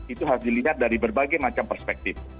itu harus dilihat dari berbagai macam perspektif